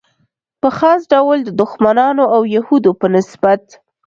په خاص ډول د دښمنانو او یهودو په نسبت.